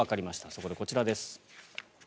そこでこちらです。